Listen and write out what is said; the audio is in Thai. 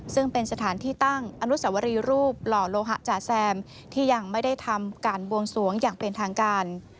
ซึ่งเป็นสถานที่ตั้งอนุสวรีรูปหล่อโลหะจ๋าแซมที่ยังไม่ได้ทำการบวงสวงอย่างเป็นทางการ